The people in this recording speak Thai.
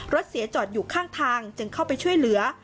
รถเสียจอดอยู่ข้างทางจึงเข้าไปช่วยเหลือ